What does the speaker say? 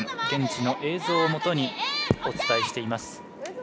現地の映像をもとにお伝えしています。